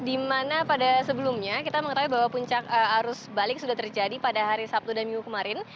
di mana pada sebelumnya kita mengetahui bahwa puncak arus balik sudah terjadi pada hari sabtu dan minggu kemarin